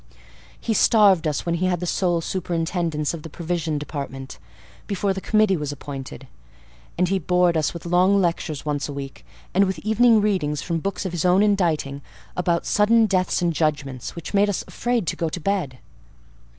"He starved us when he had the sole superintendence of the provision department, before the committee was appointed; and he bored us with long lectures once a week, and with evening readings from books of his own inditing, about sudden deaths and judgments, which made us afraid to go to bed."